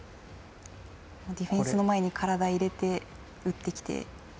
ディフェンスの前に体をいれて打ってきて。